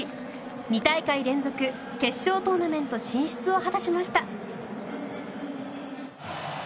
２大会連続決勝トーナメント進出を果たしました。